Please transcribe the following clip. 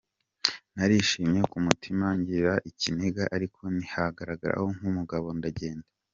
Narishimye ku mutima ngira ikiniga ariko nihagararaho nk’umugabo ndagenda.